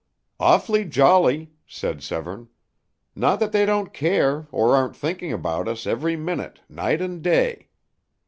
"Awfully jolly," said Severne. "Not that they don't care, or aren't thinking about us, every minute, night and day.